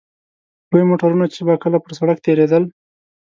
لوی موټرونه چې به کله پر سړک تېرېدل.